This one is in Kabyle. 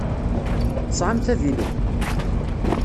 Tesɛamt avilu?